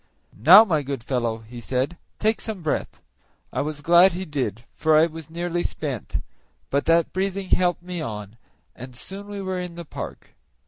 "Now, my good fellow," he said, "take some breath." I was glad he did, for I was nearly spent, but that breathing helped me on, and soon we were in the park.